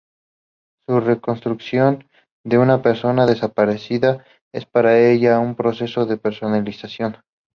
Su reconstrucción de una persona desaparecida es para ella un proceso de personalización.